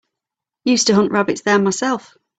Used to hunt rabbits there myself.